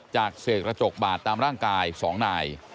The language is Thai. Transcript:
เสกกระจกบาดตามร่างกาย๒นาย